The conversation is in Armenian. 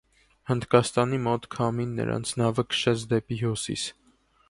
Հնդկաստանի մոտ քամին նրանց նավը քշեց դեպի հյուսիս։